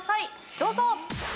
どうぞ。